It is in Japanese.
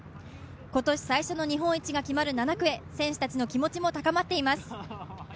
今年最初の日本一が決まる７区へ、選手たちの気持ちも高まっています。